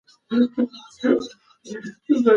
لیکوال خپل کتاب په ساده ژبه لیکلی و.